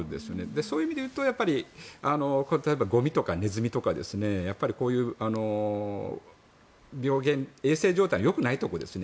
そういう意味でいうと例えば、ゴミとかネズミとかこういう病原衛生状態のよくないところですね。